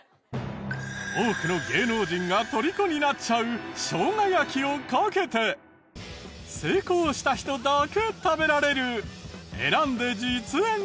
多くの芸能人がとりこになっちゃう生姜焼きをかけて成功した人だけ食べられる選んで実演ハナタカ。